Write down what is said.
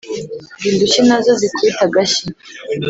Ngo indushyi nazo zikubite agashyi